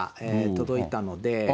届いたので。